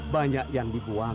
banyak yang dibuang